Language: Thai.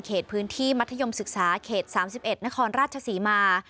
เขตพื้นที่มัธยมศึกษาเขต๓๑นครราชศรีมา